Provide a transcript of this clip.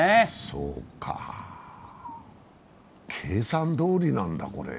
そうか、計算どおりなんだ、これ。